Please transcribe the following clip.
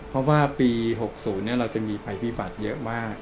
เพราะว่าปี๖๐เราจะมีภัยพิบัติเยอะมาก